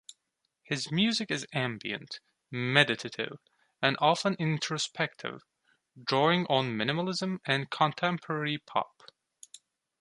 His music is ambient, meditative and often introspective, drawing on minimalism and contemporary pop.